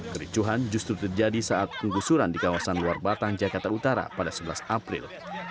kericuhan justru terjadi saat penggusuran di kawasan luar batang jakarta utara pada sebelas april